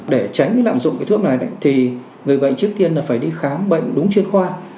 để tránh lạm dụng cái thuốc này thì người bệnh trước tiên là phải đi khám bệnh đúng chuyên khoa